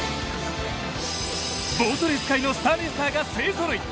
ボートレース界のスターレーサーが勢ぞろい。